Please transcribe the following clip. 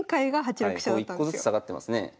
１個ずつ下がってますね。